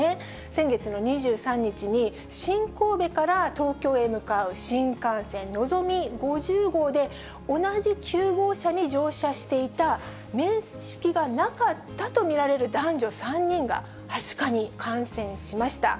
先月の２３日に、新神戸から東京へ向かう新幹線のぞみ５０号で、同じ９号車に乗車していた面識がなかったと見られる男女３人がはしかに感染しました。